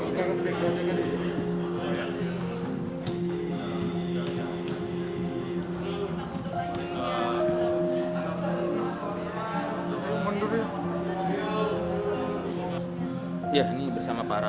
ya ini bersama para